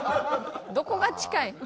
どこが近いん？